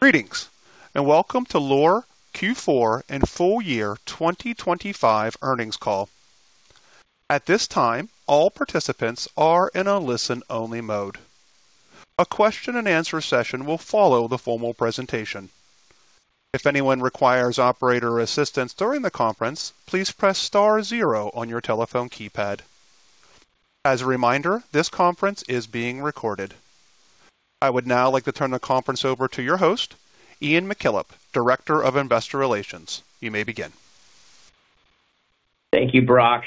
Greetings, welcome to Loar Q4 and Full Year 2025 Earnings Call. At this time, all participants are in a listen-only mode. A question and answer session will follow the formal presentation. If anyone requires operator assistance during the conference, please press star zero on your telephone keypad. As a reminder, this conference is being recorded. I would now like to turn the conference over to your host, Ian McKillop, Director of Investor Relations. You may begin. Thank you, Brock.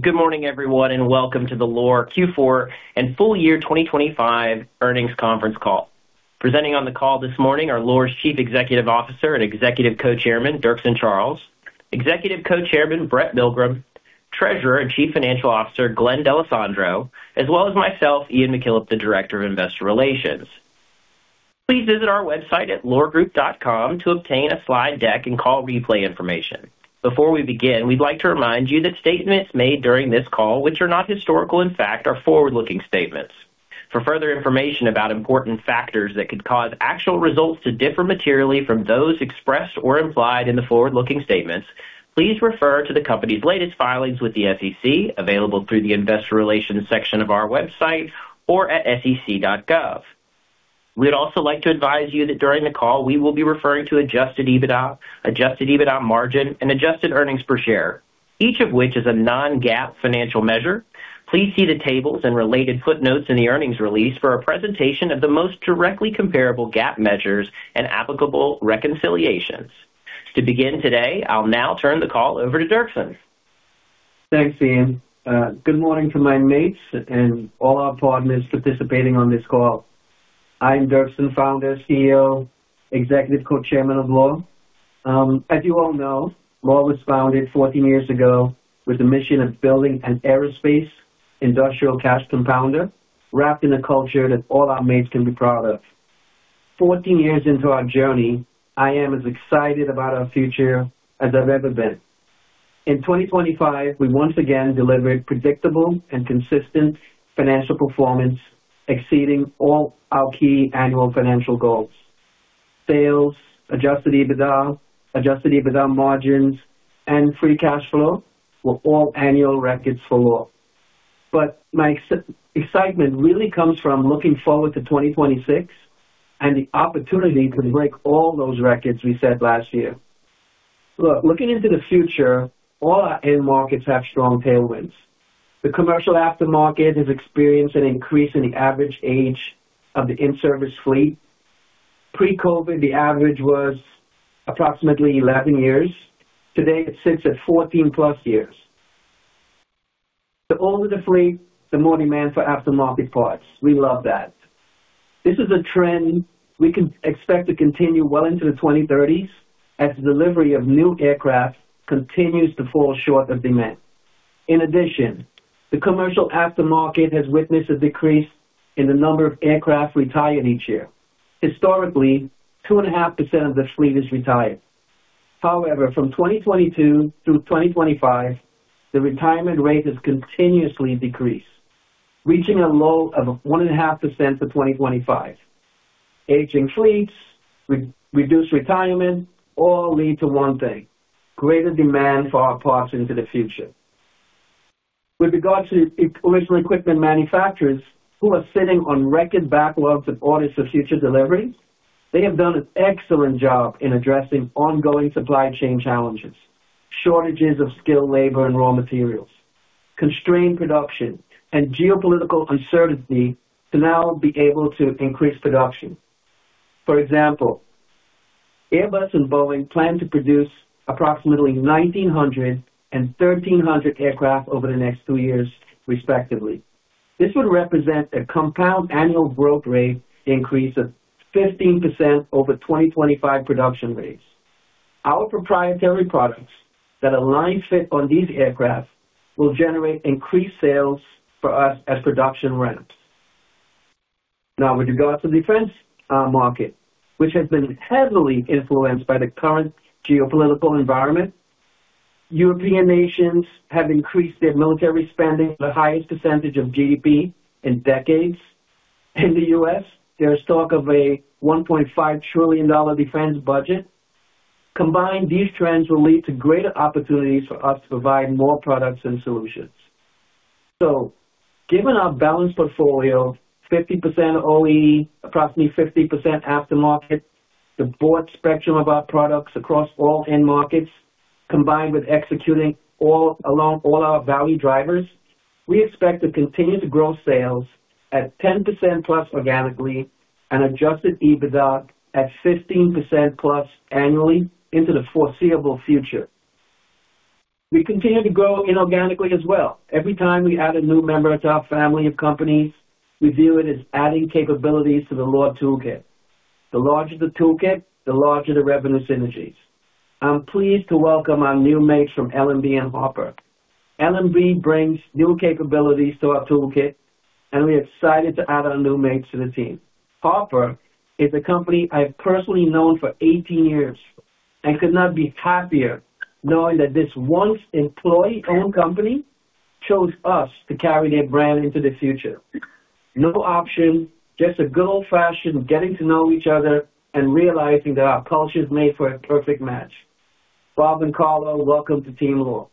Good morning, everyone, and welcome to the Loar Q4 and Full Year 2025 Earnings Conference Call. Presenting on the call this morning are Loar's Chief Executive Officer and Executive Co-Chairman, Dirkson Charles, Executive Co-Chairman, Brett Milgrim, Treasurer and Chief Financial Officer, Glenn D'Alessandro, as well as myself, Ian McKillop, the Director of Investor Relations. Please visit our website at loargroup.com to obtain a slide deck and call replay information. Before we begin, we'd like to remind you that statements made during this call, which are not historical in fact, are forward-looking statements. For further information about important factors that could cause actual results to differ materially from those expressed or implied in the forward-looking statements, please refer to the company's latest filings with the SEC, available through the Investor Relations section of our website or at sec.gov. We'd also like to advise you that during the call we will be referring to Adjusted EBITDA, Adjusted EBITDA Margin, and Adjusted Earnings Per Share, each of which is a non-GAAP financial measure. Please see the tables and related footnotes in the earnings release for a presentation of the most directly comparable GAAP measures and applicable reconciliations. To begin today, I'll now turn the call over to Dirkson. Thanks, Ian. Good morning to my mates and all our partners participating on this call. I'm Dirkson, Founder, CEO, Executive Co-Chairman of Loar. As you all know, Loar was founded 14 years ago with the mission of building an aerospace industrial cash compounder, wrapped in a culture that all our mates can be proud of. 14 years into our journey, I am as excited about our future as I've ever been. In 2025, we once again delivered predictable and consistent financial performance, exceeding all our key annual financial goals. Sales, Adjusted EBITDA, Adjusted EBITDA Margins, and free cash flow were all annual records for Loar. My excitement really comes from looking forward to 2026 and the opportunity to break all those records we set last year. Looking into the future, all our end markets have strong tailwinds. The commercial aftermarket has experienced an increase in the average age of the in-service fleet. Pre-COVID, the average was approximately 11 years. Today, it sits at 14+ years. The older the fleet, the more demand for aftermarket parts. We love that. This is a trend we can expect to continue well into the 2030s, as the delivery of new aircraft continues to fall short of demand. In addition, the commercial aftermarket has witnessed a decrease in the number of aircraft retired each year. Historically, 2.5% of the fleet is retired. However, from 2022 through 2025, the retirement rate has continuously decreased, reaching a low of 1.5% for 2025. Aging fleets, reduced retirement, all lead to one thing: greater demand for our parts into the future. With regard to original equipment manufacturers who are sitting on record backlogs of orders for future delivery, they have done an excellent job in addressing ongoing supply chain challenges, shortages of skilled labor and raw materials, constrained production, and geopolitical uncertainty to now be able to increase production. Airbus and Boeing plan to produce approximately 1,900 and 1,300 aircraft over the next two years, respectively. This would represent a compound annual growth rate increase of 15% over 2025 production rates. Our proprietary products that align fit on these aircraft will generate increased sales for us as production ramps. With regard to the defense market, which has been heavily influenced by the current geopolitical environment, European nations have increased their military spending to the highest percentage of GDP in decades. In the US, there is talk of a $1.5 trillion defense budget. Combined, these trends will lead to greater opportunities for us to provide more products and solutions. Given our balanced portfolio, 50% OE, approximately 50% aftermarket, the broad spectrum of our products across all end markets, combined with executing all along all our value drivers, we expect to continue to grow sales at 10%+ organically and Adjusted EBITDA at 15%+ annually into the foreseeable future. We continue to grow inorganically as well. Every time we add a new member to our family of companies, we view it as adding capabilities to the Loar toolkit. The larger the toolkit, the larger the revenue synergies. I'm pleased to welcome our new mates from LMB and Harper. LMB brings new capabilities to our toolkit, and we're excited to add our new mates to the team. Harper is a company I've personally known for 18 years. Could not be happier knowing that this once employee-owned company chose us to carry their brand into the future. No option, just a good old-fashioned getting to know each other and realizing that our cultures made for a perfect match. Bob and Carlo, welcome to Team Loar.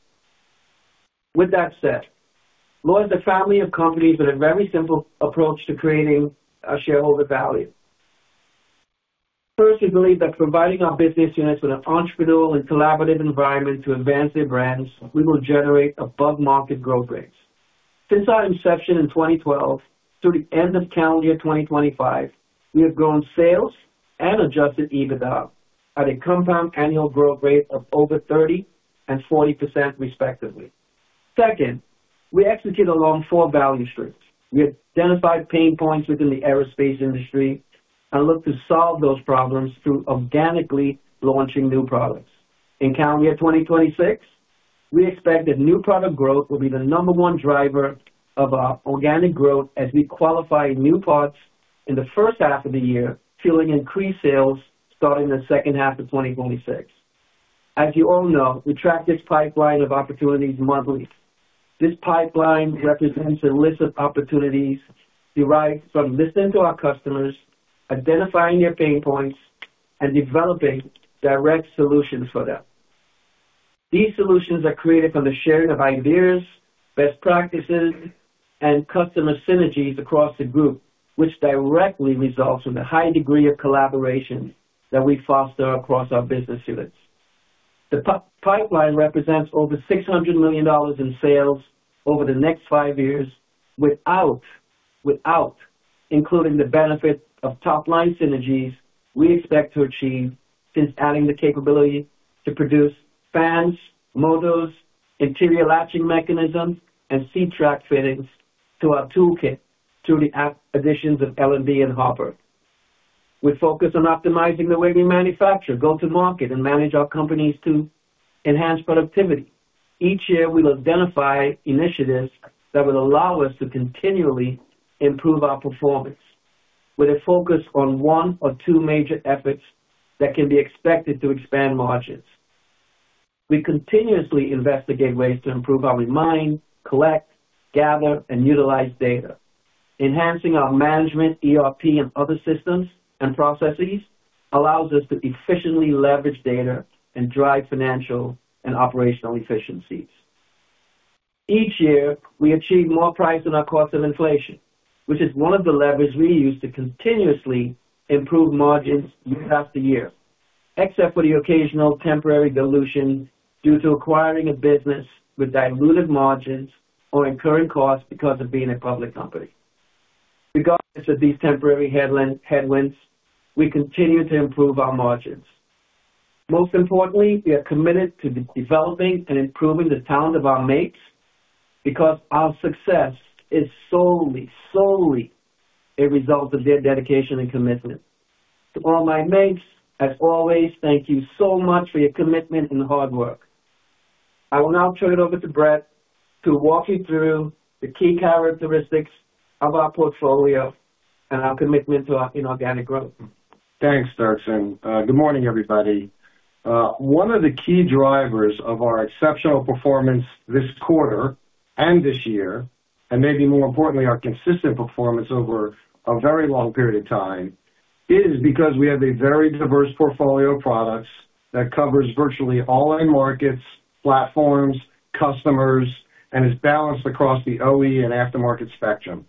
With that said, Loar is a family of companies with a very simple approach to creating shareholder value. First, we believe that providing our business units with an entrepreneurial and collaborative environment to advance their brands, we will generate above-market growth rates. Since our inception in 2012 through the end of calendar year 2025, we have grown sales and Adjusted EBITDA at a compound annual growth rate of over 30% and 40%, respectively. Second, we execute along four value streams. We identified pain points within the aerospace industry and look to solve those problems through organically launching new products. In calendar year 2026, we expect that new product growth will be the number driver of our organic growth as we qualify new parts in the first half of the year, fueling increased sales starting the second half of 2026. As you all know, we track this pipeline of opportunities monthly. This pipeline represents a list of opportunities derived from listening to our customers, identifying their pain points, and developing direct solutions for them. These solutions are created from the sharing of ideas, best practices, and customer synergies across the group, which directly results in the high degree of collaboration that we foster across our business units. The pipeline represents over $600 million in sales over the next five years, without including the benefit of top line synergies we expect to achieve since adding the capability to produce fans, motors, interior latching mechanisms, and seat track fittings to our toolkit through the additions of LMB and Harper. We focus on optimizing the way we manufacture, go to market, and manage our companies to enhance productivity. Each year, we will identify initiatives that will allow us to continually improve our performance, with a focus on one or two major efforts that can be expected to expand margins. We continuously investigate ways to improve how we mine, collect, gather, and utilize data. Enhancing our management, ERP, and other systems and processes allows us to efficiently leverage data and drive financial and operational efficiencies. Each year, we achieve more price than our cost of inflation, which is one of the levers we use to continuously improve margins year after year, except for the occasional temporary dilution due to acquiring a business with dilutive margins or incurring costs because of being a public company. Regardless of these temporary headwinds, we continue to improve our margins. Most importantly, we are committed to developing and improving the talent of our mates, because our success is solely a result of their dedication and commitment. To all my mates, as always, thank you so much for your commitment and hard work. I will now turn it over to Brett to walk you through the key characteristics of our portfolio and our commitment to our inorganic growth. Thanks, Dirkson. Good morning, everybody. One of the key drivers of our exceptional performance this quarter and this year, and maybe more importantly, our consistent performance over a very long period of time, is because we have a very diverse portfolio of products that covers virtually all end markets, platforms, customers, and is balanced across the OE and aftermarket spectrum.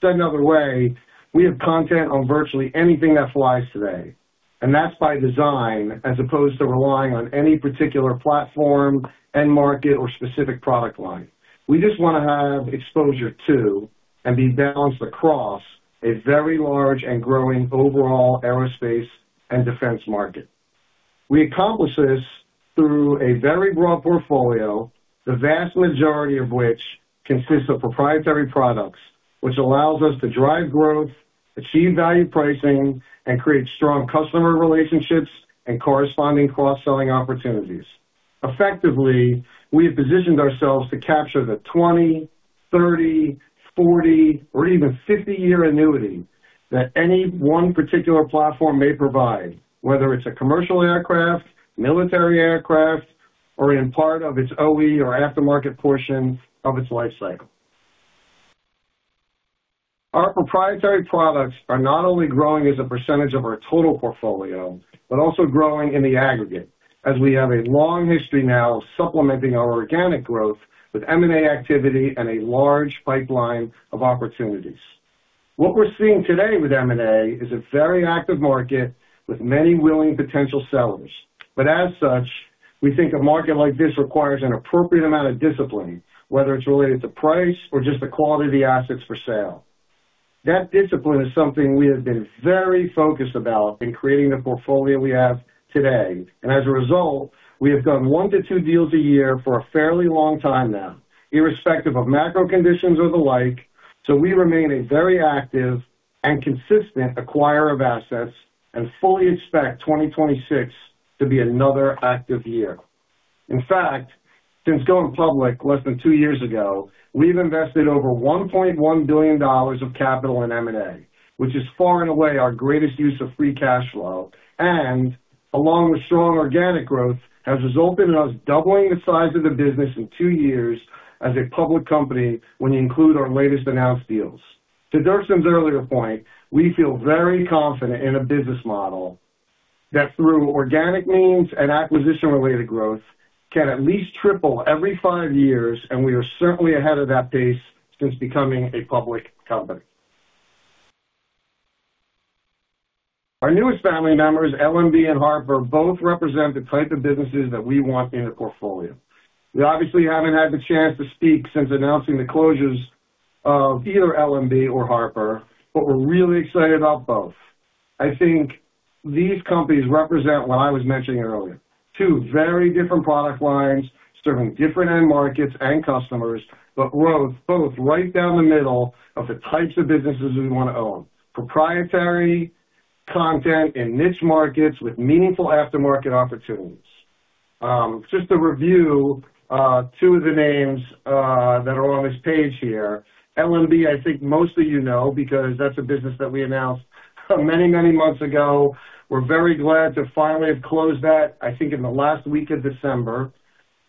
Said another way, we have content on virtually anything that flies today, and that's by design, as opposed to relying on any particular platform, end market, or specific product line. We just want to have exposure to and be balanced across a very large and growing overall aerospace and defense market. We accomplish this through a very broad portfolio, the vast majority of which consists of proprietary products, which allows us to drive growth, achieve valued pricing, and create strong customer relationships and corresponding cross-selling opportunities. Effectively, we have positioned ourselves to capture the 20, 30, 40, or even 50-year annuity that any one particular platform may provide, whether it's a commercial aircraft, military aircraft, or in part of its OE or aftermarket portion of its life cycle. Our proprietary products are not only growing as a percentage of our total portfolio, but also growing in the aggregate, as we have a long history now of supplementing our organic growth with M&A activity and a large pipeline of opportunities. What we're seeing today with M&A is a very active market with many willing potential sellers. As such, we think a market like this requires an appropriate amount of discipline, whether it's related to price or just the quality of the assets for sale. That discipline is something we have been very focused about in creating the portfolio we have today. As a result, we have done one to two deals a year for a fairly long time now, irrespective of macro conditions or the like. We remain a very active and consistent acquirer of assets and fully expect 2026 to be another active year. In fact, since going public less than two years ago, we've invested over $1.1 billion of capital in M&A, which is far and away our greatest use of free cash flow. Along with strong organic growth, has resulted in us doubling the size of the business in two years as a public company, when you include our latest announced deals. To Dirkson's earlier point, we feel very confident in a business model that, through organic means and acquisition-related growth, can at least triple every five years. We are certainly ahead of that pace since becoming a public company. Our newest family members, LMB and Harper, both represent the type of businesses that we want in the portfolio. We obviously haven't had the chance to speak since announcing the closures of either LMB or Harper. We're really excited about both. I think these companies represent what I was mentioning earlier, two very different product lines serving different end markets and customers, both right down the middle of the types of businesses we want to own: proprietary content in niche markets with meaningful aftermarket opportunities. Just to review, two of the names that are on this page here. LMB, I think most of you know, because that's a business that we announced many, many months ago. We're very glad to finally have closed that, I think, in the last week of December.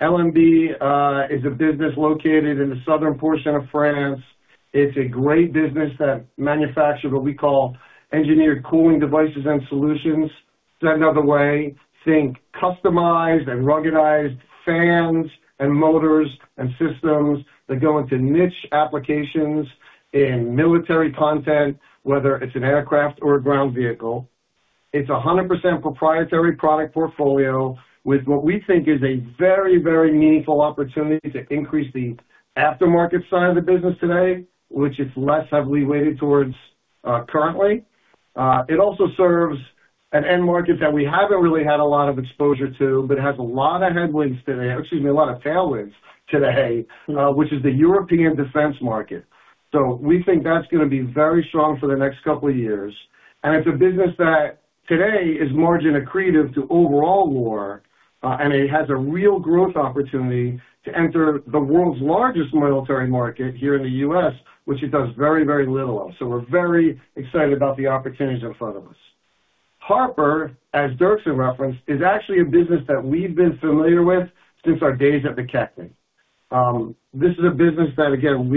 LMB is a business located in the southern portion of France. It's a great business that manufactures what we call engineered cooling devices and solutions. Said another way, think customized and ruggedized fans and motors and systems that go into niche applications in military content, whether it's an aircraft or a ground vehicle. It's a 100% proprietary product portfolio with what we think is a very, very meaningful opportunity to increase the aftermarket side of the business today, which is less heavily weighted towards currently. It also serves an end market that we haven't really had a lot of exposure to, but has a lot of headwinds today, excuse me, a lot of tailwinds today, which is the European defense market. We think that's gonna be very strong for the next couple of years. It's a business that today is margin accretive to overall Loar, and it has a real growth opportunity to enter the world's largest military market here in the U.S., which it does very, very little of. We're very excited about the opportunities in front of us. Harper, as Duerksen referenced, is actually a business that we've been familiar with since our days at McKechnie. This is a business that, again,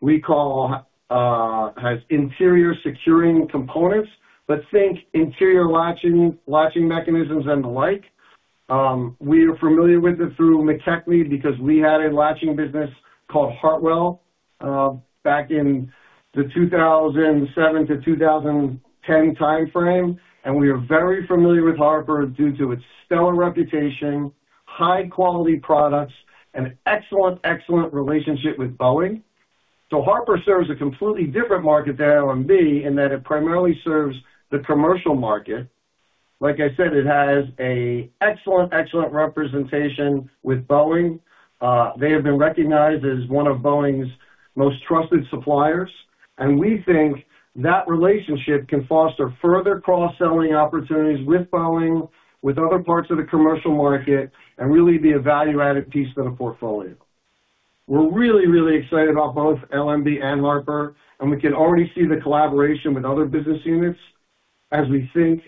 we call, has interior securing components, but think interior latching mechanisms and the like. We are familiar with it through McKechnie, because we had a latching business called Hartwell, back in the 2007-2010 timeframe, we are very familiar with Harper due to its stellar reputation, high-quality products, and excellent relationship with Boeing. Harper serves a completely different market than LMB in that it primarily serves the commercial market. Like I said, it has a excellent representation with Boeing. They have been recognized as one of Boeing's most trusted suppliers, we think that relationship can foster further cross-selling opportunities with Boeing, with other parts of the commercial market, and really be a value-added piece to the portfolio. We're really excited about both LMB and Harper, and we can already see the collaboration with other business units as we think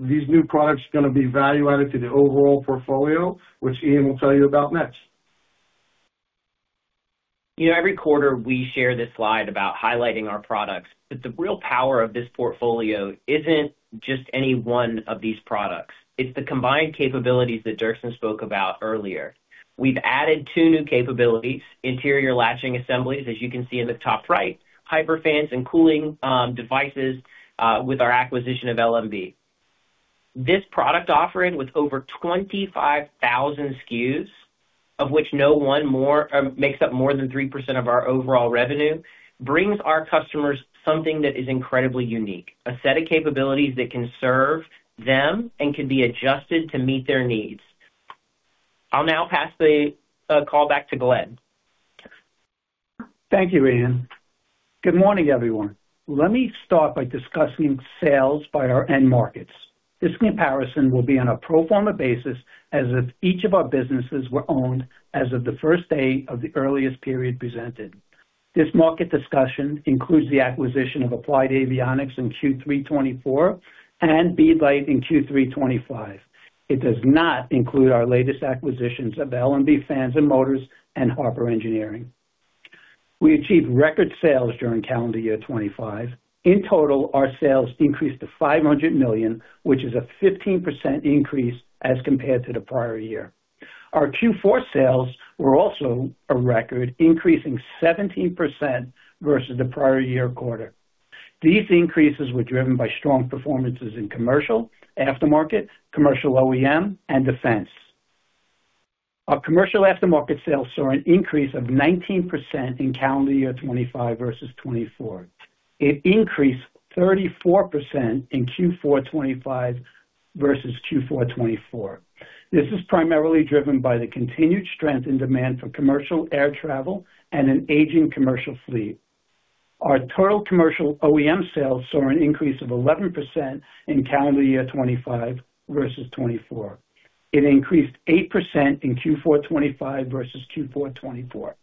these new products are gonna be value added to the overall portfolio, which Ian will tell you about next. You know, every quarter, we share this slide about highlighting our products. The real power of this portfolio isn't just any one of these products. It's the combined capabilities that Dirkson spoke about earlier. We've added two new capabilities, interior latching assemblies, as you can see in the top right, Harper fans and cooling devices with our acquisition of LMB. This product offering, with over 25,000 SKUs, of which no one more makes up more than 3% of our overall revenue, brings our customers something that is incredibly unique, a set of capabilities that can serve them and can be adjusted to meet their needs. I'll now pass the call back to Glenn. Thank you, Ian. Good morning, everyone. Let me start by discussing sales by our end markets. This comparison will be on a pro forma basis, as if each of our businesses were owned as of the first day of the earliest period presented. This market discussion includes the acquisition of Applied Avionics in Q3 2024 and Beadlight in Q3 2025. It does not include our latest acquisitions of LMB Fans & Motors and Harper Engineering. We achieved record sales during calendar year 2025. In total, our sales increased to $500 million, which is a 15% increase as compared to the prior year. Our Q4 sales were also a record, increasing 17% versus the prior year quarter. These increases were driven by strong performances in commercial, aftermarket, commercial OEM, and defense. Our commercial aftermarket sales saw an increase of 19% in calendar year 2025 versus 2024. It increased 34% in Q4 2025 versus Q4 2024. This is primarily driven by the continued strength and demand for commercial air travel and an aging commercial fleet.... Our total commercial OEM sales saw an increase of 11% in calendar year 2025 versus 2024. It increased 8% in Q4 2025 versus Q4 2024.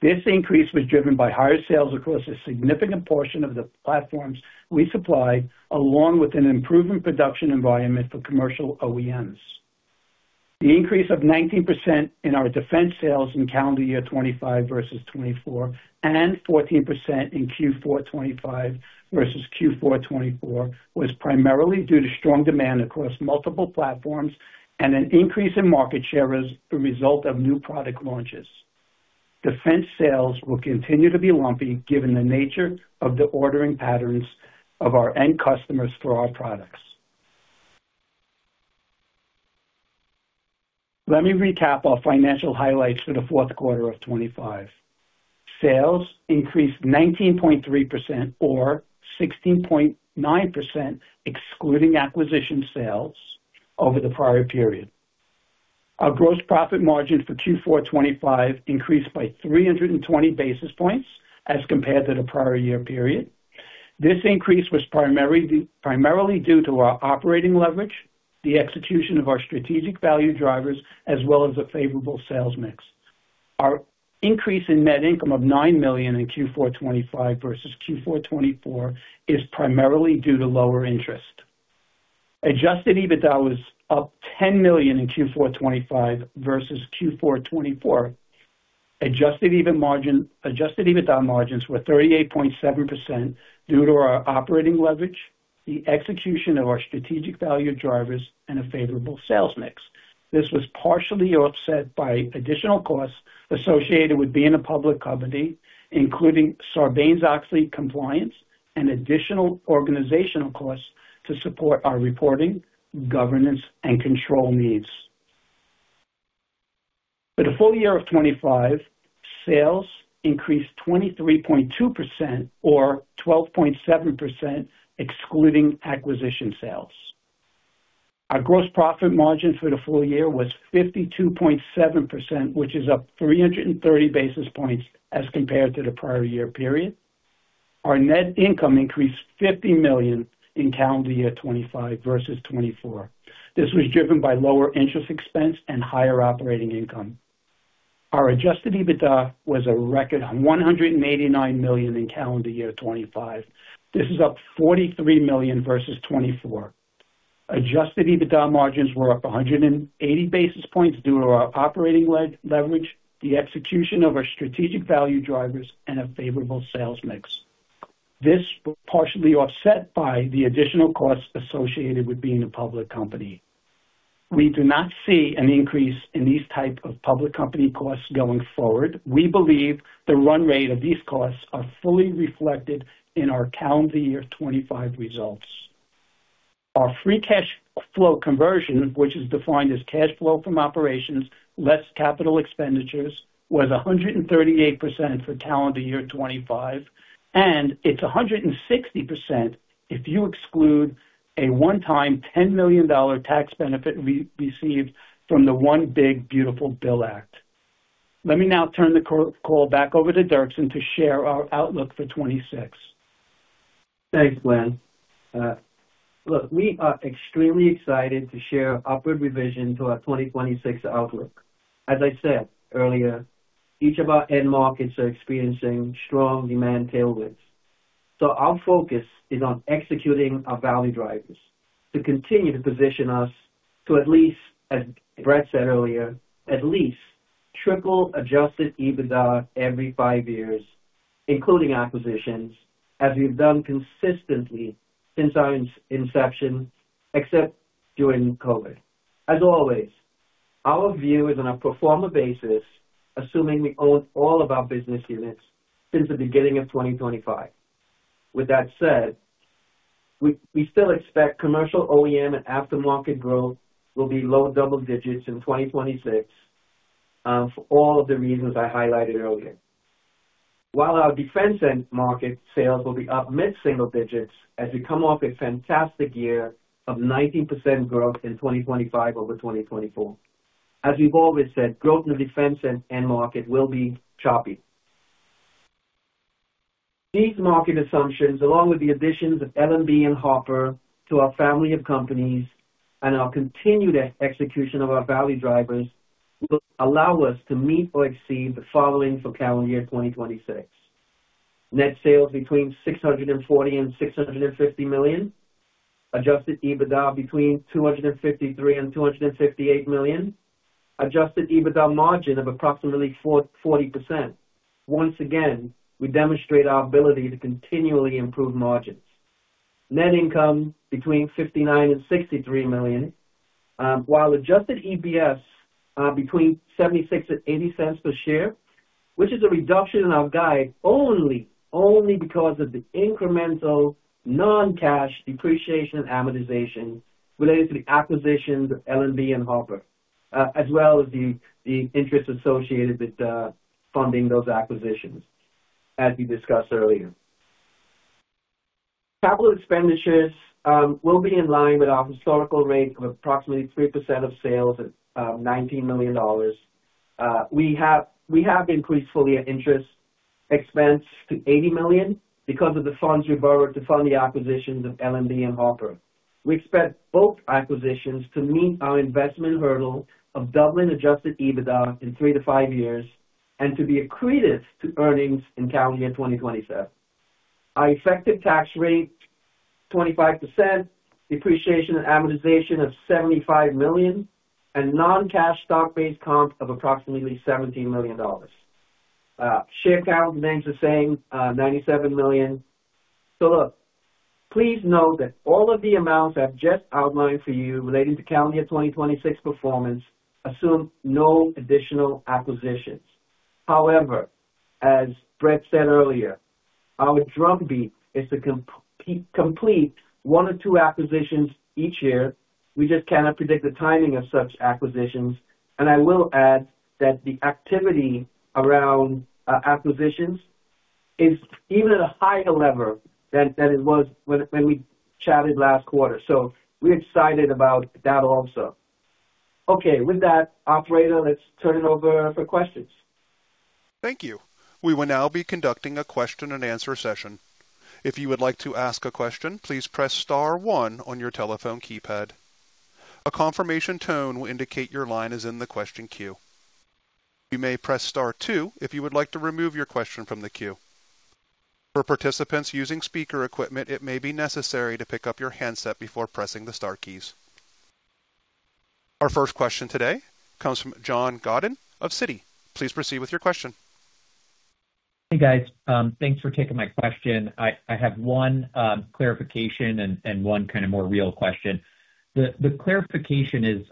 This increase was driven by higher sales across a significant portion of the platforms we supply, along with an improvement production environment for commercial OEMs. The increase of 19% in our defense sales in calendar year 2025 versus 2024, and 14% in Q4 2025 versus Q4 2024, was primarily due to strong demand across multiple platforms and an increase in market share as a result of new product launches. Defense sales will continue to be lumpy, given the nature of the ordering patterns of our end customers for our products. Let me recap our financial highlights for the fourth quarter of 2025. Sales increased 19.3% or 16.9%, excluding acquisition sales over the prior period. Our gross profit margin for Q4 2025 increased by 320 basis points as compared to the prior year period. This increase was primarily due to our operating leverage, the execution of our strategic value drivers, as well as a favorable sales mix. Our increase in net income of $9 million in Q4 2025 versus Q4 2024 is primarily due to lower interest. Adjusted EBITDA was up $10 million in Q4 2025 versus Q4 2024. Adjusted EBITDA margins were 38.7% due to our operating leverage, the execution of our strategic value drivers and a favorable sales mix. This was partially offset by additional costs associated with being a public company, including Sarbanes-Oxley compliance and additional organizational costs to support our reporting, governance, and control needs. For the full year of 2025, sales increased 23.2% or 12.7%, excluding acquisition sales. Our gross profit margin for the full year was 52.7%, which is up 330 basis points as compared to the prior year period. Our net income increased $50 million in calendar year 2025 versus 2024. This was driven by lower interest expense and higher operating income. Our Adjusted EBITDA was a record on $189 million in calendar year 2025. This is up $43 million versus 2024. Adjusted EBITDA margins were up 180 basis points due to our operating leverage, the execution of our strategic value drivers and a favorable sales mix. This was partially offset by the additional costs associated with being a public company. We do not see an increase in these type of public company costs going forward. We believe the run rate of these costs are fully reflected in our calendar year 2025 results. Our free cash flow conversion, which is defined as cash flow from operations, less capital expenditures, was 138% for calendar year 2025, and it's 160% if you exclude a one-time $10 million tax benefit we received from the One Big Beautiful Bill Act. Let me now turn the call back over to Dirkson to share our outlook for 2026. Thanks, Glenn. Look, we are extremely excited to share upward revision to our 2026 outlook. As I said earlier, each of our end markets are experiencing strong demand tailwinds, our focus is on executing our value drivers to continue to position us to, at least, as Brett said earlier, at least triple Adjusted EBITDA every five years, including acquisitions, as we've done consistently since our inception, except during COVID. As always, our view is on a pro forma basis, assuming we own all of our business units since the beginning of 2025. With that said, we still expect commercial OEM and aftermarket growth will be low double digits in 2026 for all of the reasons I highlighted earlier. Our defense end market sales will be up mid-single digits as we come off a fantastic year of 19% growth in 2025 over 2024. As we've always said, growth in the defense end market will be choppy. These market assumptions, along with the additions of LMB and Harper to our family of companies, and our continued execution of our value drivers, will allow us to meet or exceed the following for calendar year 2026. Net sales between $640 million and $650 million. Adjusted EBITDA between $253 million and $258 million. Adjusted EBITDA margin of approximately 40%. Once again, we demonstrate our ability to continually improve margins. Net income between $59 million-$63 million, while adjusted EPS between $0.76-$0.80 per share, which is a reduction in our guide only because of the incremental non-cash depreciation and amortization related to the acquisitions of LMB and Harper, as well as the interest associated with funding those acquisitions, as we discussed earlier. Capital expenditures will be in line with our historical rate of approximately 3% of sales at $19 million. We have increased fully our interest expense to $80 million because of the funds we borrowed to fund the acquisitions of LMB and Harper. We expect both acquisitions to meet our investment hurdle of doubling Adjusted EBITDA in three-five years and to be accretive to earnings in calendar year 2027. Our effective tax rate, 25%, depreciation and amortization of $75 million, and non-cash stock-based comp of approximately $17 million. share count remains the same, 97 million. Look, please note that all of the amounts I've just outlined for you relating to calendar 2026 performance assume no additional acquisitions. However, as Brett said earlier, our drumbeat is to complete one or two acquisitions each year. We just cannot predict the timing of such acquisitions. I will add that the activity around acquisitions is even at a higher level than it was when we chatted last quarter. We're excited about that also. Okay. With that, operator, let's turn it over for questions. Thank you. We will now be conducting a question-and-answer session. If you would like to ask a question, please press star one on your telephone keypad. A confirmation tone will indicate your line is in the question queue. You may press star two if you would like to remove your question from the queue. For participants using speaker equipment, it may be necessary to pick up your handset before pressing the star keys. Our first question today comes from John Godyn of Citi. Please proceed with your question. Hey, guys. Thanks for taking my question. I have one clarification and one kind of more real question. The clarification is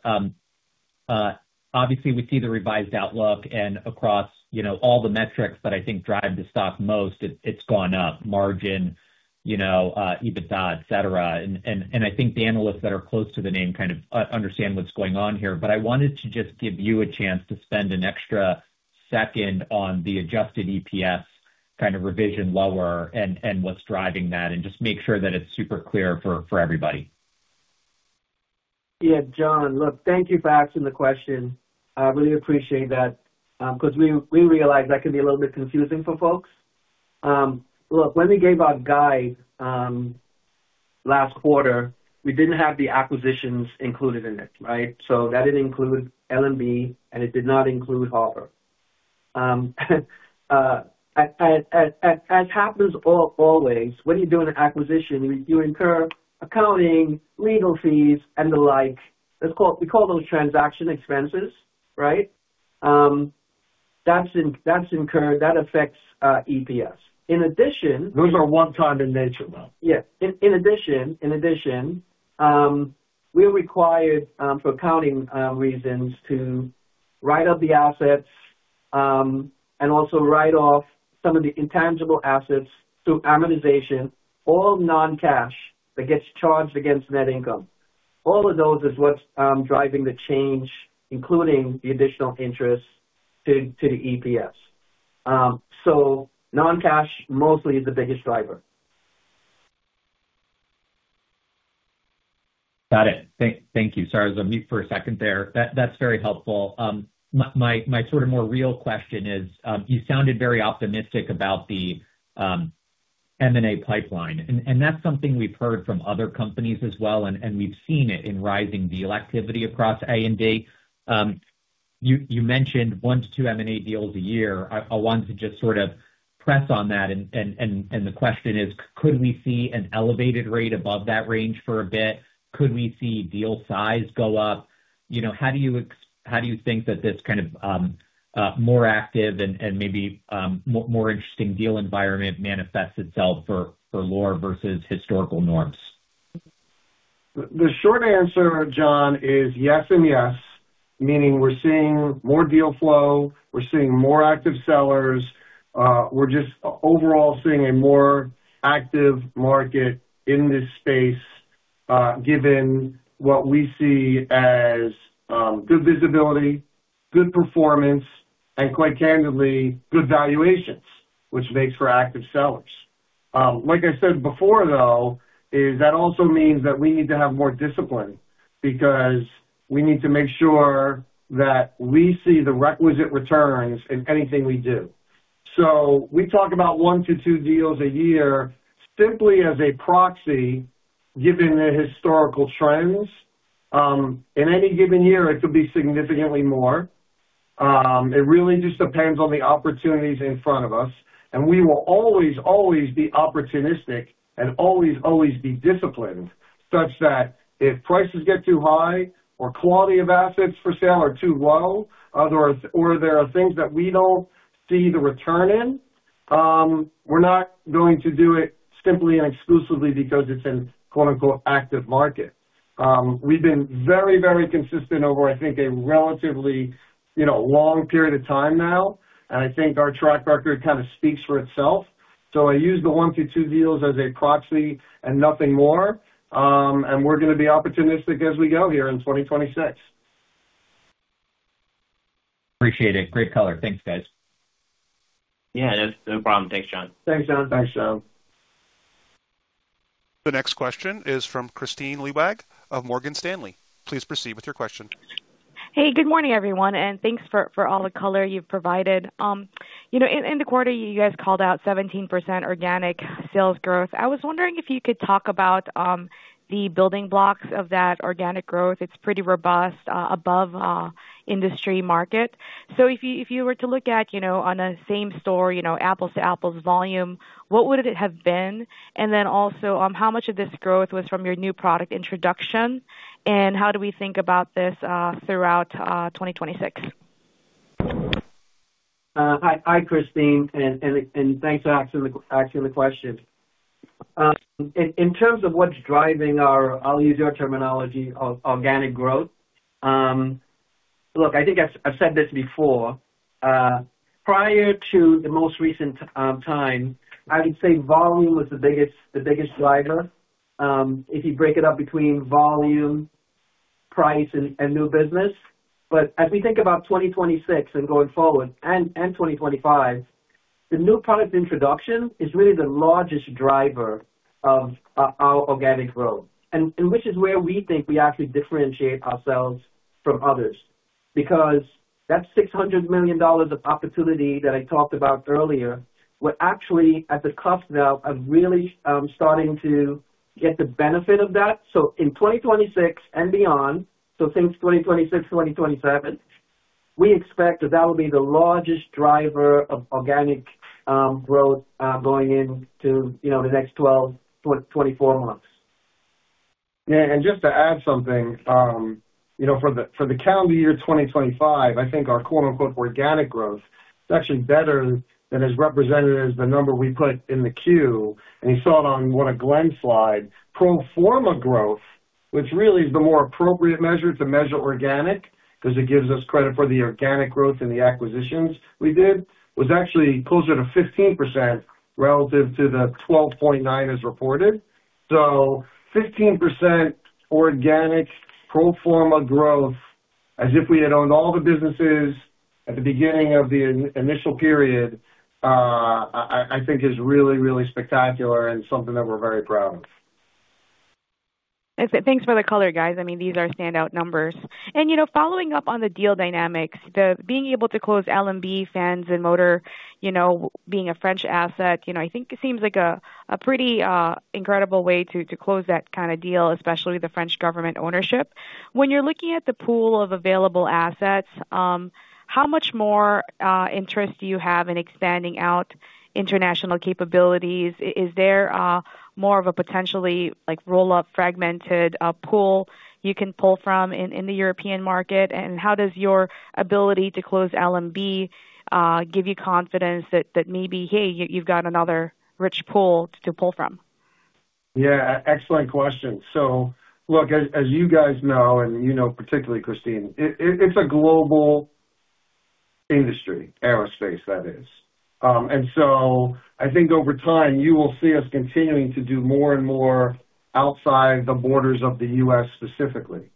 obviously, we see the revised outlook and across, you know, all the metrics that I think drive the stock most, it's gone up, margin, you know, EBITDA, et cetera. I think the analysts that are close to the name kind of understand what's going on here, but I wanted to just give you a chance to spend an extra second on the adjusted EPS kind of revision lower and what's driving that, and just make sure that it's super clear for everybody. Yeah, John, look, thank you for asking the question. I really appreciate that, 'cause we realize that can be a little bit confusing for folks. Look, when we gave our guide, last quarter, we didn't have the acquisitions included in it, right? That didn't include LMB, and it did not include Harper. As happens always, when you do an acquisition, you incur accounting, legal fees, and the like. We call those transaction expenses, right? That's incurred. That affects EPS. In addition- Those are one-time in nature, though. Yes. In addition, we're required for accounting reasons, to write up the assets, and also write off some of the intangible assets through amortization, all non-cash, that gets charged against net income. All of those is what's driving the change, including the additional interest to the EPS. Non-cash mostly is the biggest driver. Got it. Thank you. Sorry, I was on mute for a second there. That's very helpful. My sort of more real question is, you sounded very optimistic about the M&A pipeline, and that's something we've heard from other companies as well, and we've seen it in rising deal activity across A&D. You mentioned one to two M&A deals a year. I want to just sort of press on that, and the question is: Could we see an elevated rate above that range for a bit? Could we see deal size go up? You know, how do you think that this kind of, more active and maybe, more interesting deal environment manifests itself for Loar versus historical norms? The short answer, John, is yes and yes. Meaning we're seeing more deal flow, we're seeing more active sellers, we're just overall seeing a more active market in this space, given what we see as good visibility, good performance, and quite candidly, good valuations, which makes for active sellers. Like I said before, though, is that also means that we need to have more discipline because we need to make sure that we see the requisite returns in anything we do. We talk about one to two deals a year simply as a proxy, given the historical trends. In any given year, it could be significantly more. It really just depends on the opportunities in front of us, and we will always be opportunistic and always be disciplined, such that if prices get too high or quality of assets for sale are too low, or there are things that we don't see the return in, we're not going to do it simply and exclusively because it's an, quote, unquote, "active market." We've been very, very consistent over, I think, a relatively, you know, long period of time now, and I think our track record kind of speaks for itself. I use the one to two deals as a proxy and nothing more, and we're gonna be opportunistic as we go here in 2026. Appreciate it. Great color. Thanks, guys. Yeah, no problem. Thanks, John. Thanks, John. Thanks, John. The next question is from Kristine Liwag of Morgan Stanley. Please proceed with your question. Hey, good morning, everyone, and thanks for all the color you've provided. you know, in the quarter, you guys called out 17% organic sales growth. I was wondering if you could talk about the building blocks of that organic growth. It's pretty robust, above industry market. If you were to look at, you know, on a same store, you know, apples to apples volume, what would it have been? Also, how much of this growth was from your new product introduction, and how do we think about this throughout 2026? Hi, Kristine, and thanks for asking the question. In terms of what's driving our... I'll use your terminology, organic growth. Look, I think I've said this before, prior to the most recent time, I would say volume was the biggest driver. If you break it up between volume, price, and new business. As we think about 2026 and going forward, and 2025, the new product introduction is really the largest driver of our organic growth, and which is where we think we actually differentiate ourselves from others. That $600 million of opportunity that I talked about earlier, we're actually at the cusp now of really starting to get the benefit of that. In 2026 and beyond, think 2026, 2027, we expect that that will be the largest driver of organic growth, going into, you know, the next 12-24 months. Just to add something, you know, for the calendar year 2025, I think our "organic growth" is actually better than is represented as the number we put in the queue, and you saw it on one of Glenn's slide. Pro forma growth, which really is the more appropriate measure to measure organic, 'cause it gives us credit for the organic growth and the acquisitions we did, was actually closer to 15% relative to the 12.9 as reported. 15% organic pro forma growth, as if we had owned all the businesses at the beginning of the initial period, I think is really, really spectacular and something that we're very proud of. Thanks for the color, guys. I mean, these are standout numbers. You know, following up on the deal dynamics, the being able to close LMB Fans & Motors, you know, being a French asset, you know, I think it seems like a pretty incredible way to close that kind of deal, especially the French government ownership. When you're looking at the pool of available assets, how much more interest do you have in expanding out international capabilities? Is there more of a potentially, like, roll-up, fragmented pool you can pull from in the European market? How does your ability to close LMB give you confidence that maybe, hey, you've got another rich pool to pull from? Yeah, excellent question. Look, as you guys know, and you know, particularly Kristine, it's a global industry, aerospace, that is. I think over time, you will see us continuing to do more and more outside the borders of the U.S., specifically.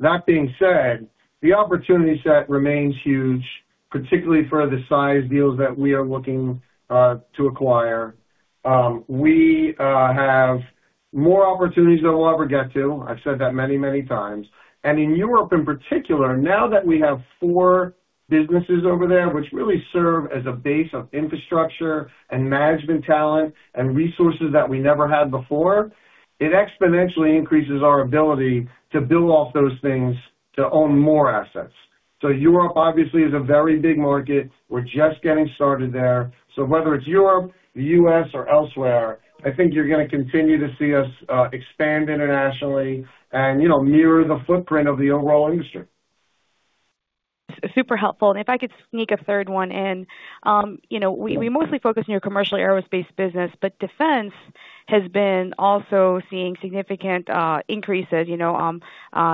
That being said, the opportunity set remains huge, particularly for the size deals that we are looking to acquire. We have more opportunities than we'll ever get to. I've said that many, many times. In Europe, in particular, now that we have four businesses over there, which really serve as a base of infrastructure and management talent and resources that we never had before, it exponentially increases our ability to build off those things to own more assets. Europe, obviously, is a very big market. We're just getting started there. Whether it's Europe, the U.S., or elsewhere, I think you're going to continue to see us expand internationally and, you know, mirror the footprint of the overall industry. Super helpful. If I could sneak a third one in, you know, we mostly focus on your commercial aerospace business, but defense has been also seeing significant increases. You know,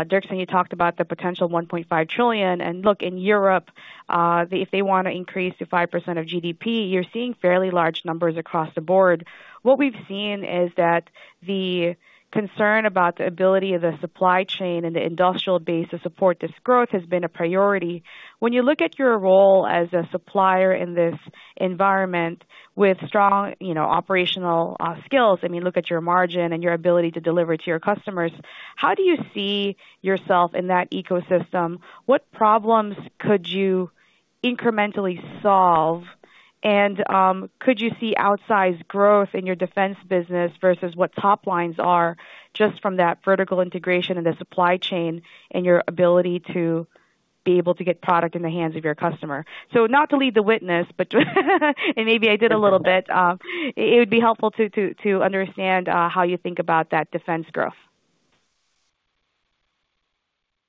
Dirk, when you talked about the potential $1.5 trillion, and look, in Europe, if they want to increase to 5% of GDP, you're seeing fairly large numbers across the board. What we've seen is that the concern about the ability of the supply chain and the industrial base to support this growth has been a priority. When you look at your role as a supplier in this environment with strong, you know, operational skills, I mean, look at your margin and your ability to deliver to your customers, how do you see yourself in that ecosystem? What problems could you incrementally solve? Could you see outsized growth in your defense business versus what top lines are just from that vertical integration in the supply chain and your ability to be able to get product in the hands of your customer? Not to lead the witness, but and maybe I did a little bit, it would be helpful to understand how you think about that defense growth.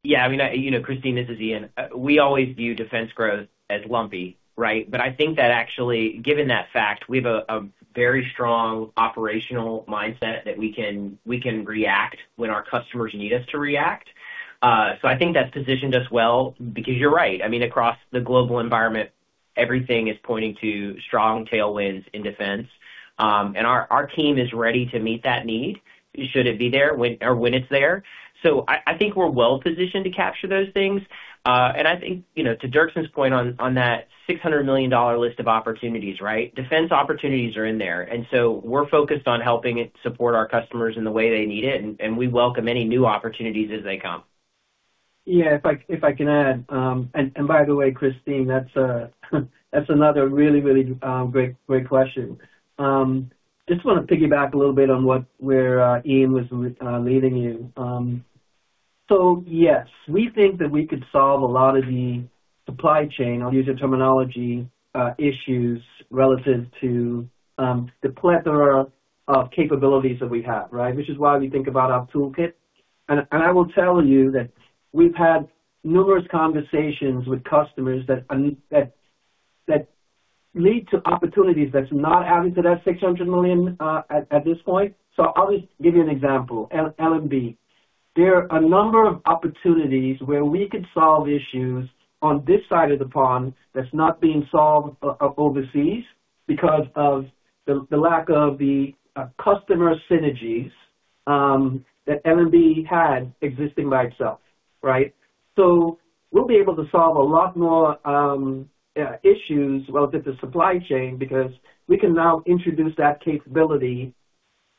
I mean, you know, Kristine, this is Ian. We always view defense growth as lumpy, right? I think that actually, given that fact, we have a very strong operational mindset that we can react when our customers need us to react. I think that's positioned us well, because you're right. I mean, across the global environment, everything is pointing to strong tailwinds in defense. Our team is ready to meet that need, should it be there, or when it's there. I think we're well positioned to capture those things. I think, you know, to Dirkson's point on that $600 million list of opportunities, right? Defense opportunities are in there, and so we're focused on helping it support our customers in the way they need it, and we welcome any new opportunities as they come. Yeah, if I can add, and by the way, Kristine, that's another really great question. Just wanna piggyback a little bit on what, where Ian was leading you. Yes, we think that we could solve a lot of the supply chain, I'll use the terminology, issues relative to the plethora of capabilities that we have, right? Which is why we think about our toolkit. And I will tell you that we've had numerous conversations with customers that lead to opportunities that's not adding to that $600 million at this point. I'll just give you an example, LMB. There are a number of opportunities where we could solve issues on this side of the pond that's not being solved overseas because of the lack of the customer synergies that LMB had existing by itself, right? We'll be able to solve a lot more issues relative to supply chain because we can now introduce that capability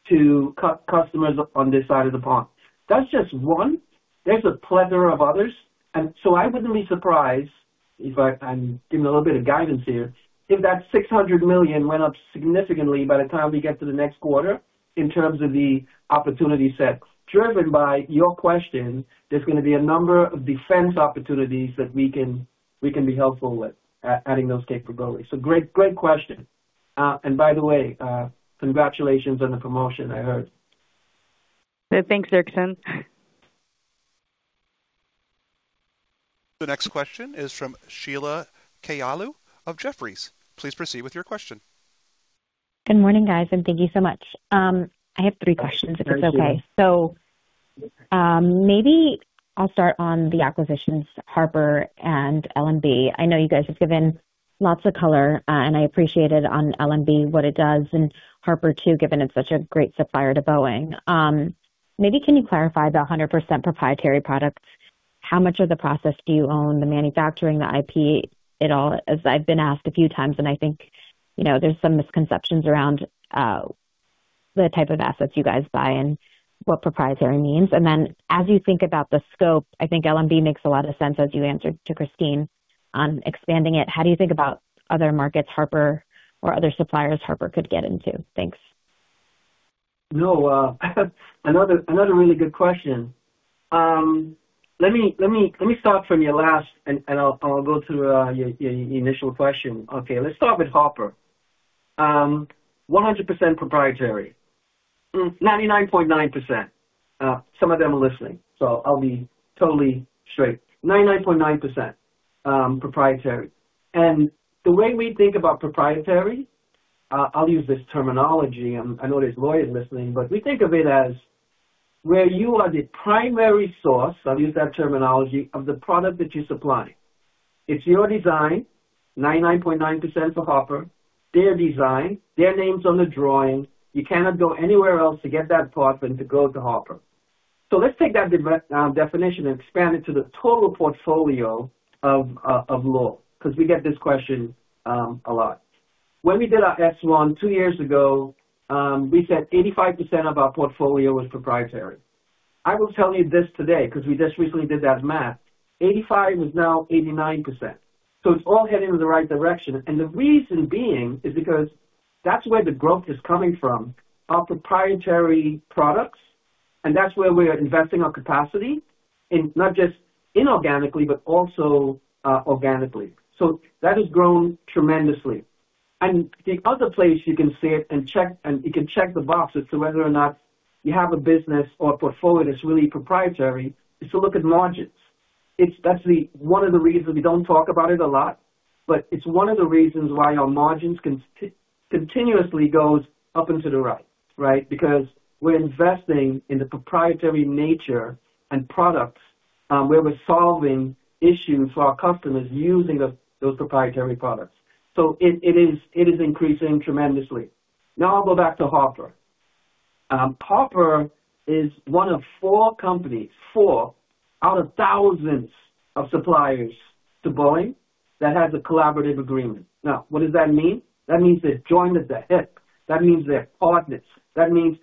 to customers on this side of the pond. That's just one. There's a plethora of others. I wouldn't be surprised, if I'm giving a little bit of guidance here, if that $600 million went up significantly by the time we get to the next quarter in terms of the opportunity set. Driven by your question, there's gonna be a number of defense opportunities that we can be helpful with, adding those capabilities. Great question. By the way, congratulations on the promotion, I heard. Thanks, Dirkson. The next question is from Sheila Kahyaoglu of Jefferies. Please proceed with your question. Good morning, guys, and thank you so much. I have three questions, if it's okay. Thank you. Maybe I'll start on the acquisitions, Harper and LMB. I know you guys have given lots of color, and I appreciate it, on LMB, what it does, and Harper too, given it's such a great supplier to Boeing. Maybe can you clarify the 100% proprietary products? How much of the process do you own, the manufacturing, the IP, it all? As I've been asked a few times, and I think, you know, there's some misconceptions around the type of assets you guys buy and what proprietary means. As you think about the scope, I think LMB makes a lot of sense, as you answered to Kristine, on expanding it. How do you think about other markets Harper or other suppliers Harper could get into? Thanks. No, another really good question. Let me start from your last, and I'll go to your initial question. Okay, let's start with Harper. 100% proprietary. 99.9%. Some of them are listening, so I'll be totally straight. 99.9% proprietary. The way we think about proprietary, I'll use this terminology. I know there's lawyers listening, but we think of it as where you are the primary source, I'll use that terminology, of the product that you're supplying. It's your design, 99.9% to Harper, their design, their names on the drawing. You cannot go anywhere else to get that part than to go to Harper. Let's take that definition and expand it to the total portfolio of Loar, 'cause we get this question a lot. When we did our S-1 two years ago, we said 85% of our portfolio was proprietary. I will tell you this today, 'cause we just recently did that math, 85 is now 89%. It's all heading in the right direction. The reason being is because that's where the growth is coming from, our proprietary products, and that's where we're investing our capacity, in not just inorganically, but also organically. That has grown tremendously. The other place you can see it and check, and you can check the boxes to whether or not you have a business or a portfolio that's really proprietary, is to look at margins. That's the one of the reasons we don't talk about it a lot, but it's one of the reasons why our margins continuously goes up and to the right? Because we're investing in the proprietary nature and products, where we're solving issues for our customers using those proprietary products. It is increasing tremendously. I'll go back to Harper. Harper is one of four companies, four out of thousands of suppliers to Boeing, that has a collaborative agreement. What does that mean? That means they're joined at the hip. That means they're partners. That means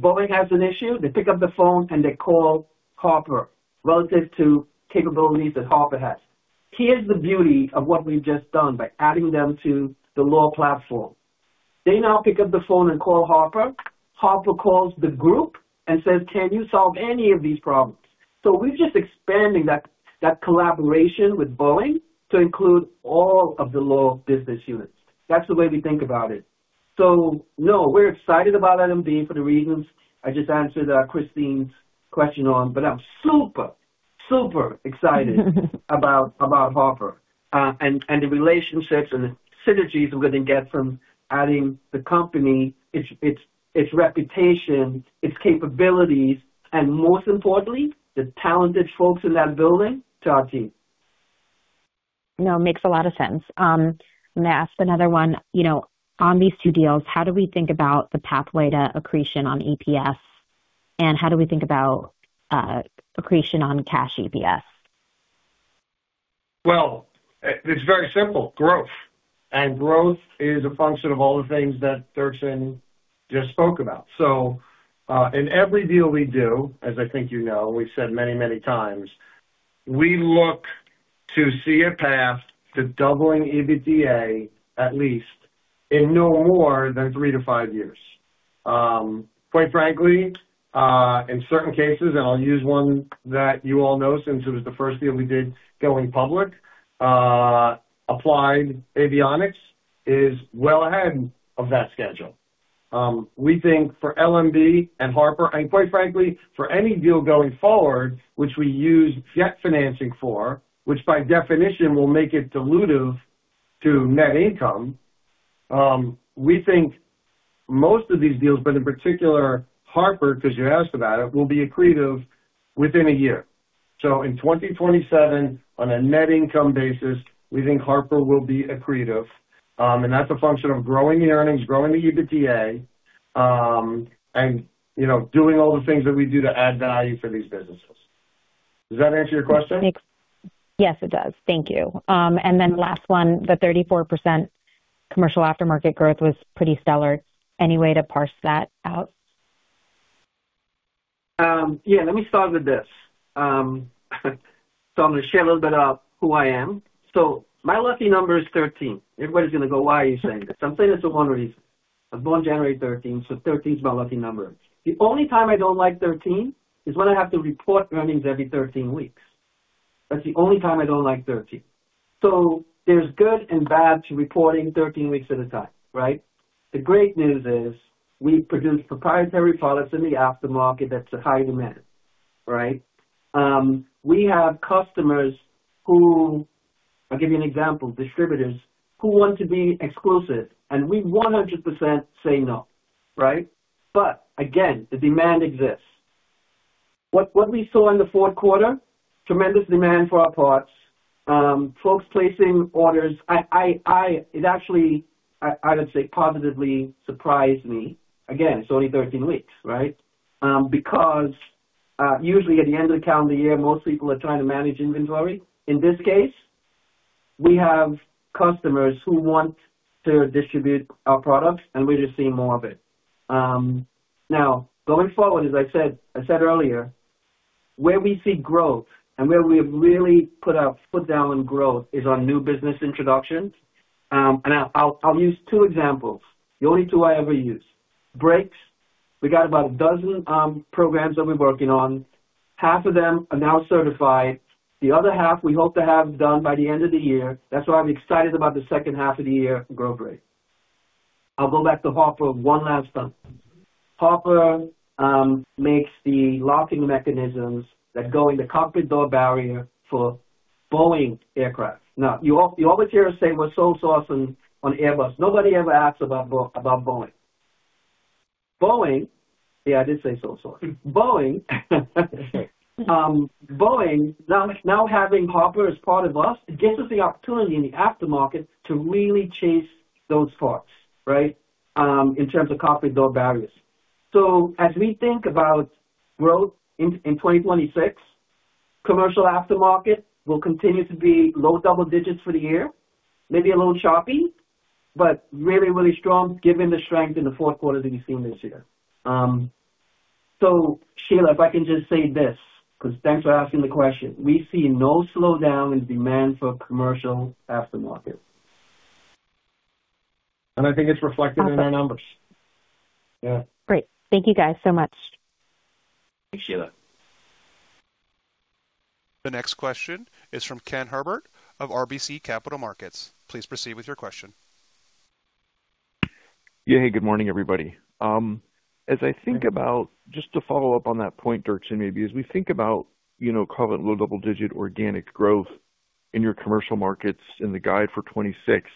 Boeing has an issue, they pick up the phone and they call Harper relative to capabilities that Harper has. Here's the beauty of what we've just done by adding them to the Loar platform. They now pick up the phone and call Harper. Harper calls the group and says, "Can you solve any of these problems?" We're just expanding that collaboration with Boeing to include all of the Loar business units. That's the way we think about it. No, we're excited about LMB for the reasons I just answered Kristine's question on, but I'm super excited about Harper, and the relationships and the synergies we're gonna get from adding the company, its reputation, its capabilities, and most importantly, the talented folks in that building to our team. No, it makes a lot of sense. I'm going to ask another one. You know, on these two deals, how do we think about the pathway to accretion on EPS, and how do we think about accretion on cash EPS? It's very simple, growth. Growth is a function of all the things that Dirkson just spoke about. In every deal we do, as I think you know, we've said many, many times, we look to see a path to doubling EBITDA, at least in no more than three-five years. Quite frankly, in certain cases, and I'll use one that you all know since it was the first deal we did going public, Applied Avionics is well ahead of that schedule. We think for LMB and Harper, and quite frankly, for any deal going forward, which we use jet financing for, which by definition will make it dilutive to net income, we think most of these deals, but in particular, Harper, because you asked about it, will be accretive within a year. In 2027, on a net income basis, we think Harper will be accretive. That's a function of growing the earnings, growing the EBITDA, and, you know, doing all the things that we do to add value for these businesses. Does that answer your question? Yes, it does. Thank you. Last one, the 34% commercial aftermarket growth was pretty stellar. Any way to parse that out? Yeah, let me start with this. I'm going to share a little bit about who I am. My lucky number is 13. Everybody's going to go, "Why are you saying this?" I'm saying this for one reason. I was born January thirteenth. 13 is my lucky number. The only time I don't like 13 is when I have to report earnings every 13 weeks. That's the only time I don't like 13. There's good and bad to reporting 13 weeks at a time, right? The great news is, we produce proprietary products in the aftermarket that's in high demand, right? We have customers who, I'll give you an example, distributors, who want to be exclusive, and we 100% say no, right? Again, the demand exists. What we saw in the fourth quarter, tremendous demand for our parts, folks placing orders. It actually, I would say, positively surprised me. Again, it's only 13 weeks, right? Because, usually at the end of the calendar year, most people are trying to manage inventory. In this case, we have customers who want to distribute our products, and we're just seeing more of it. Now, going forward, as I said earlier, where we see growth and where we have really put our foot down on growth is on new business introductions. I'll use two examples, the only two I ever use. Brakes, we got about a dozen programs that we're working on. Half of them are now certified. The other half we hope to have done by the end of the year. That's why I'm excited about the second half of the year, growth rate. I'll go back to Harper one last time. Harper makes the locking mechanisms that go in the cockpit door barrier for Boeing aircraft. Now, you all material say we're so on Airbus. Nobody ever asks about Boeing. Boeing... Yeah, I did say so. Boeing, now having Harper as part of us, it gives us the opportunity in the aftermarket to really chase those parts, right? In terms of cockpit door barriers. As we think about growth in 2026, commercial aftermarket will continue to be low double digits for the year, maybe a little choppy, but really, really strong given the strength in the fourth quarter that we've seen this year. Sheila, if I can just say this, because thanks for asking the question. We see no slowdown in demand for commercial aftermarket. I think it's reflected in our numbers. Awesome. Yeah. Great. Thank you guys so much. Thanks, Sheila. The next question is from Ken Herbert of RBC Capital Markets. Please proceed with your question. Yeah. Hey, good morning, everybody. Just to follow up on that point, Dirkson, maybe, as we think about, you know, call it low double-digit organic growth in your commercial markets in the guide for 2026,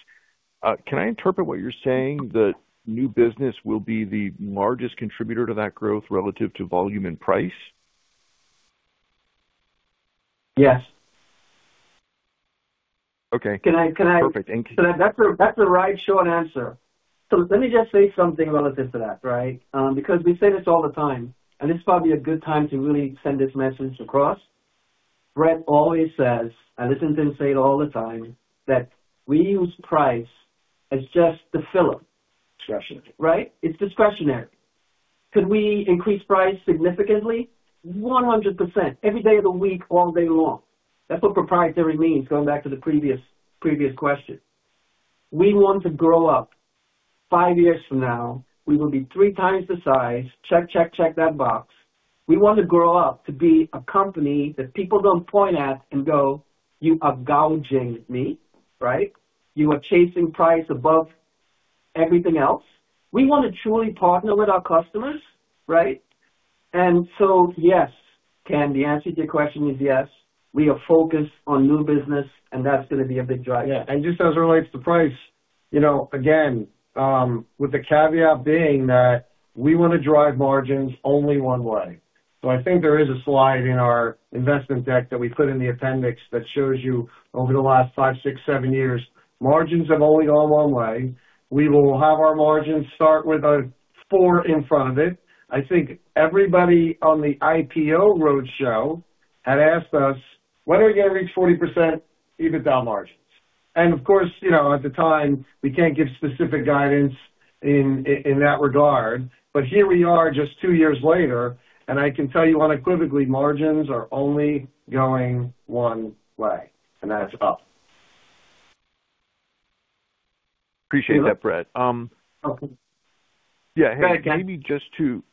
can I interpret what you're saying, that new business will be the largest contributor to that growth relative to volume and price? Yes. Okay. Can I? Perfect. Thank you. That's the right short answer. Let me just say something relative to that, right? Because we say this all the time, and this is probably a good time to really send this message across. Brett always says, and this has been said all the time, that we use price as just the filler. Discretionary. Right? It's discretionary. Could we increase price significantly? 100%, every day of the week, all day long. That's what proprietary means, going back to the previous question. We want to grow up. Five years from now, we will be three times the size. Check that box. We want to grow up to be a company that people don't point at and go, "You are gouging me," right? "You are chasing price above everything else." We want to truly partner with our customers, right? Yes, Ken, the answer to your question is yes. We are focused on new business, and that's going to be a big driver. Yeah, just as it relates to price. You know, again, with the caveat being that we want to drive margins only one way. I think there is a slide in our investment deck that we put in the appendix that shows you over the last five, six, seven years, margins have only gone one way. We will have our margins start with a four in front of it. I think everybody on the IPO roadshow had asked us, "When are we going to reach 40% EBITDA margins?" Of course, you know, at the time, we can't give specific guidance in that regard, but here we are just two years later, and I can tell you unequivocally, margins are only going one way, and that's up. Appreciate that, Brett. Okay. Yeah. Go again. Maybe just to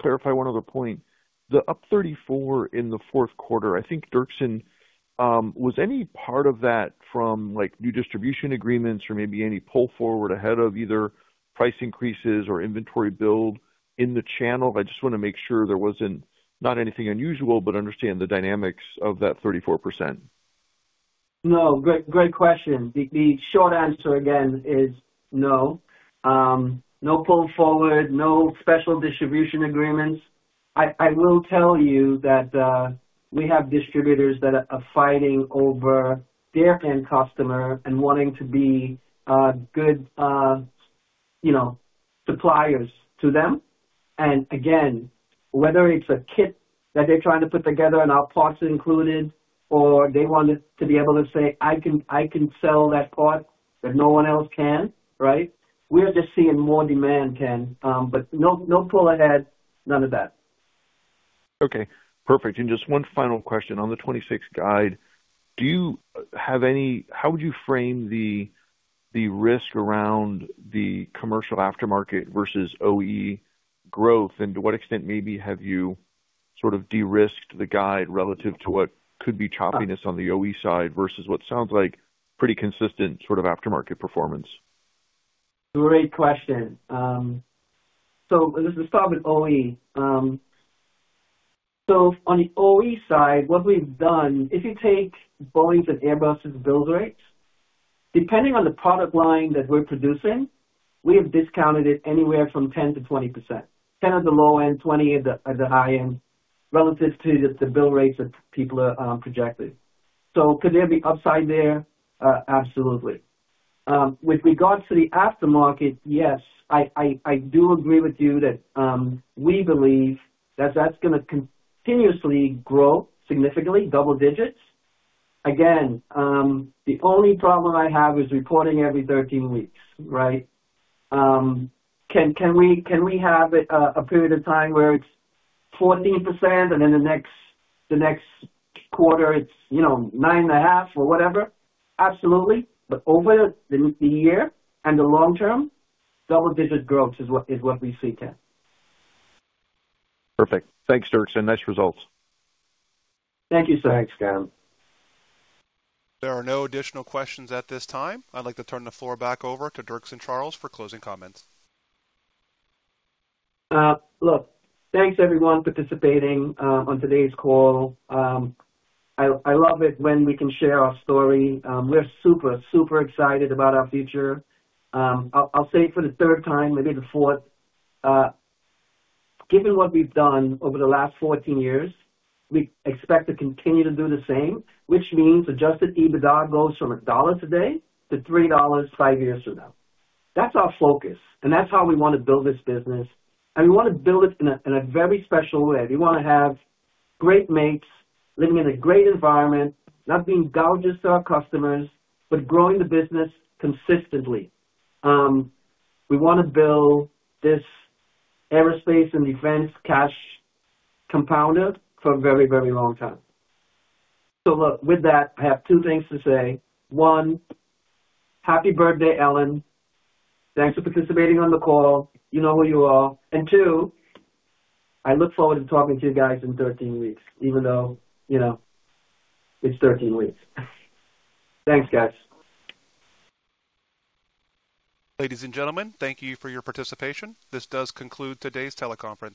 clarify one other point, the up 34 in the fourth quarter, I think, Dirkson, was any part of that from, like, new distribution agreements or maybe any pull forward ahead of either price increases or inventory build in the channel? I just want to make sure there wasn't, not anything unusual, but understand the dynamics of that 34%. No, great question. The short answer, again, is no. No pull forward, no special distribution agreements. I will tell you that, we have distributors that are fighting over their end customer and wanting to be, good, you know, suppliers to them. Whether it's a kit that they're trying to put together and our parts are included, or they want it to be able to say, "I can, I can sell that part, that no one else can," right? We're just seeing more demand, Ken, but no pull ahead, none of that. Okay, perfect. Just one final question on the 2026 guide. Do you how would you frame the risk around the commercial aftermarket versus OE growth? To what extent, maybe, have you sort of de-risked the guide relative to what could be choppiness on the OE side versus what sounds like pretty consistent sort of aftermarket performance? Great question. Let's start with OE. On the OE side, what we've done, if you take Boeing's and Airbus's build rates, depending on the product line that we're producing, we have discounted it anywhere from 10%-20%. 10 at the low end, 20 at the high end, relative to the build rates that people are projected. Could there be upside there? Absolutely. With regards to the aftermarket, yes, I do agree with you that we believe that that's going to continuously grow significantly, double digits. Again, the only problem I have is reporting every 13 weeks, right? Can we have a period of time where it's 14%, and then the next quarter, it's, you know, 9.5 or whatever? Absolutely. Over the year and the long term, double-digit growth is what we see, Ken. Perfect. Thanks, Dirkson. Nice results. Thank you so much, Ken. There are no additional questions at this time. I'd like to turn the floor back over to Dirkson Charles for closing comments. Look, thanks, everyone, participating on today's call. I love it when we can share our story. We're super excited about our future. I'll say it for the third time, maybe the fourth. Given what we've done over the last 14 years, we expect to continue to do the same, which means Adjusted EBITDA goes from $1 today to $3 5 years from now. That's our focus, and that's how we want to build this business, and we want to build it in a very special way. We want to have great mates living in a great environment, not being gougers to our customers, but growing the business consistently. We want to build this aerospace and defense cash compounder for a very long time. Look, with that, I have things to say. One, happy birthday, Ellen. Thanks for participating on the call. You know who you are. Two, I look forward to talking to you guys in 13 weeks, even though, you know, it's 13 weeks. Thanks, guys. Ladies and gentlemen, thank you for your participation. This does conclude today's teleconference.